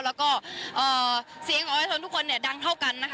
แล้วก็เอ่อเซียงออนไลฟ์ทุกคนเนี่ยดังเท่ากันนะคะ